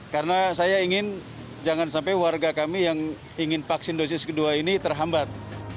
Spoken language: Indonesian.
karena saya ingin jangan sampai warga kami yang ingin vaksin dosis kedua ini terhambat